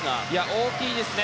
大きいですね。